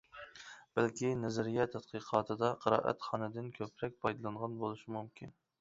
بەلكى نەزەرىيە تەتقىقاتىدا قىرائەتخانىدىن كۆپرەك پايدىلانغان بولۇشى مۇمكىن.